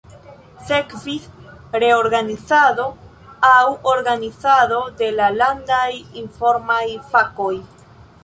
Sekvis reorganizado aŭ organizado de la landaj Informaj Fakoj.